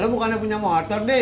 lalu bukannya punya motor nih